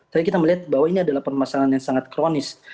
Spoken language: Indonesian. tapi kita melihat bahwa ini adalah permasalahan yang sangat kronis